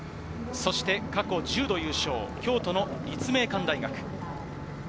過去１０度優勝、京都の立命館大学。